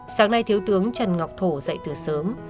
sáng nay thiếu tướng trần ngọc thổ dậy từ sớm